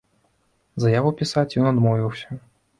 Заяву пісаць ён адмовіўся.